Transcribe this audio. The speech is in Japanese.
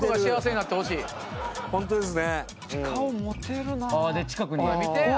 ホントですねうわ